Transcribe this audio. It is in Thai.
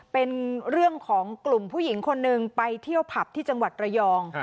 เป็นเรื่องของกลุ่มผู้หญิงคนหนึ่งไปเที่ยวผับที่จังหวัดระยอง